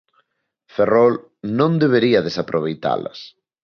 Ferrol non debería desaproveitalas.